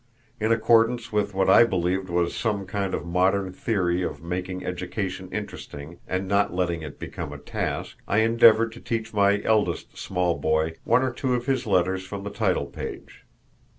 In accordance with what I believed was some kind of modern theory of making education interesting and not letting it become a task, I endeavored to teach my eldest small boy one or two of his letters from the title page.